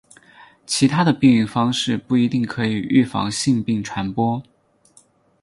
其他的避孕方式不一定可以预防性病传播。